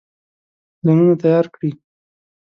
ځانونه تیار کړي.